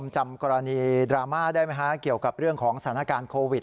จำกรณีดราม่าได้ไหมฮะเกี่ยวกับเรื่องของสถานการณ์โควิด